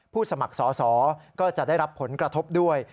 สมัครสอสอก็จะได้รับผลกระทบด้วย